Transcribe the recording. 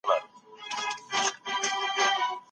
د نبوت مقام د انسان عقل ته لارښوونه کوي.